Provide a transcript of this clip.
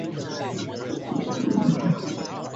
Breeding takes place between July and September.